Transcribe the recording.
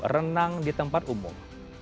renang di tempat umum